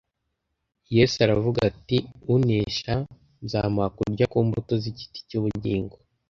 Yesu aravuga ati: “Unesha, nzamuha kurya ku mbuto z’igiti cy’ubugingo